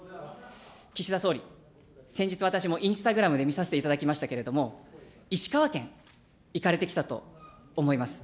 岸田総理、先日、私もインスタグラムで見させていただきましたけれども、石川県行かれてきたと思います。